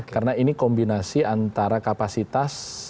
karena ini kombinasi antara kapasitas